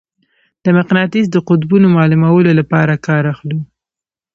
د مقناطیس د قطبونو معلومولو لپاره کار اخلو.